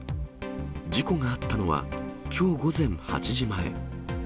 事故があったのは、きょう午前８時前。